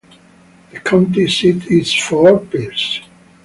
The county seat is Fort Pierce.